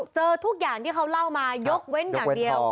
เจอทุกอย่างที่เขาเล่ามายกเว้นอย่างเดียว